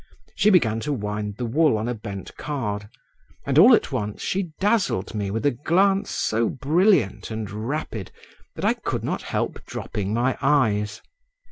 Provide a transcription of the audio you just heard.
She began to wind the wool on a bent card, and all at once she dazzled me with a glance so brilliant and rapid, that I could not help dropping my eyes.